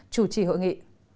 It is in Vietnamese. chủ trì hội nghị